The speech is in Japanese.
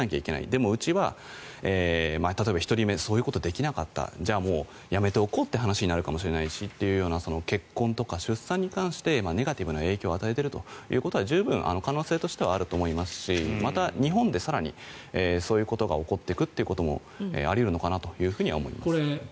でも、うちは例えば１人目そういうことができなかったじゃあもう、やめておこうという話になるかもしれないしというような結婚とか出産に関してネガティブな影響を与えているということは十分可能性としてはあると思いますしまた、日本で更にそういうことが起こっていくというのもあり得るのかなとは思います。